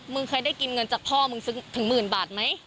เคยได้กินเงินจากพ่อมึงถึงหมื่นบาทไหม